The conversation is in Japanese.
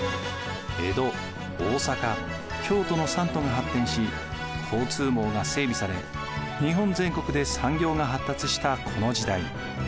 京都の三都が発展し交通網が整備され日本全国で産業が発達したこの時代。